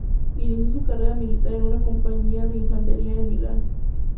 Inició su carrera militar en una compañía de infantería en Milán.